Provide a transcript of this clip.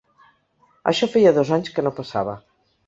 Això feia dos anys que no passava.